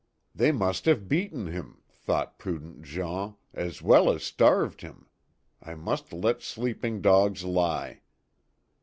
" They must have beaten him," thought prudent Jean, " as well as starved him. I must let sleeping dogs lie."